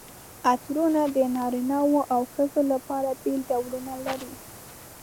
عطرونه د نرانو او ښځو لپاره بېل ډولونه لري.